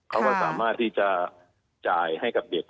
เขาก็สามารถที่จะจ่ายให้กับเด็ก